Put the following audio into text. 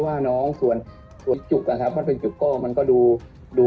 ว่าน้องส่วนส่วนจุกอะครับถ้าเป็นจุกก็มันก็ดูดู